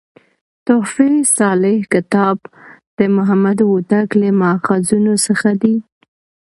"تحفه صالح کتاب" د محمد هوتک له ماخذونو څخه دﺉ.